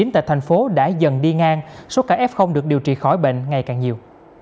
tại thành phố đã dần đi ngang số cả f được điều trị khỏi bệnh ngày càng nhiều